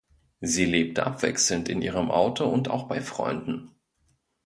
Sie lebte abwechselnd in ihrem Auto und auch bei Freuden.